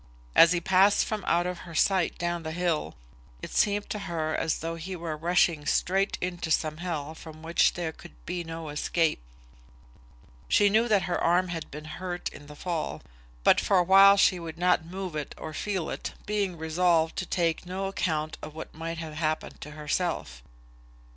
As he passed from out of her sight down the hill, it seemed to her as though he were rushing straight into some hell from which there could be no escape. [Illustration: Kate.] She knew that her arm had been hurt in the fall, but for a while she would not move it or feel it, being resolved to take no account of what might have happened to herself.